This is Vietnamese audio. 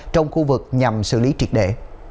trong khu vực nhằm xử lý triệt để